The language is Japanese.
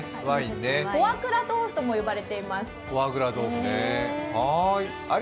フォアグラ豆腐とも呼ばれています。